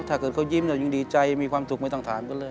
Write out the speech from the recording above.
ถ้าเกิดเขายิ้มเรายังดีใจมีความสุขไม่ต้องถามกันเลย